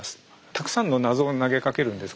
たくさんの謎を投げかけるんです